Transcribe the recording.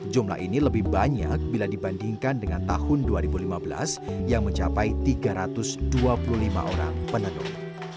jumlah ini lebih banyak bila dibandingkan dengan tahun dua ribu lima belas yang mencapai tiga ratus dua puluh lima orang penenun